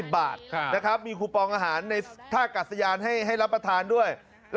บาทนะครับมีคูปองอาหารในท่ากัดสยานให้รับประทานด้วย